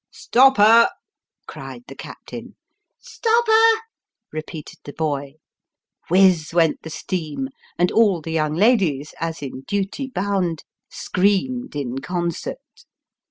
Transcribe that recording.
" Stop her !" cried the captain. " Stop her !" repeated the boy ; whiz/ went the steam, and all the young ladies, as in duty bound, screamed in concert.